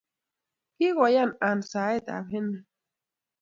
Kagoyan Ann saetab Henry